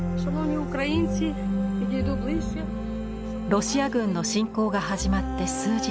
ロシア軍の侵攻が始まって数日後。